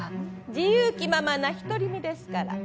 自由気ままな独り身ですから。